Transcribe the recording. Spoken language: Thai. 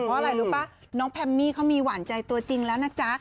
เพราะอะไรรู้ป่ะน้องแพมมี่เขามีหวานใจตัวจริงแล้วนะจ๊ะ